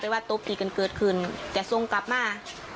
หรือว่าตบกินเกิดขึ้นจะทรงกลับมา